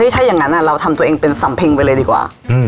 ถ้าอย่างนั้นเราทำตัวเองเป็นสำเพ็งไปเลยดีกว่า